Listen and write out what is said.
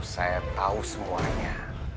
saya tau semuanya